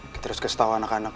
kita harus kasih tau anak anak